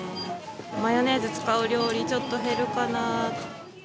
マヨネーズ使う料理、ちょっと減るかな。